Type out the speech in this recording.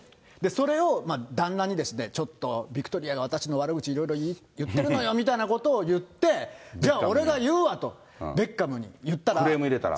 それを旦那にですね、ちょっと、ビクトリアが私の悪口、いろいろ言ってるのよみたいなことを言って、じゃあ、俺が言うわクレーム入れたら。